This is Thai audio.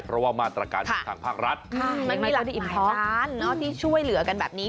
เพราะว่ามาตรการทางภาครัฐยังมีหลายร้านที่ช่วยเหลือกันแบบนี้